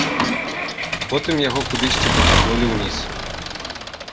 Потым яго кудысьці пацягнулі ўніз.